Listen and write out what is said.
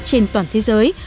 trên toàn thế giới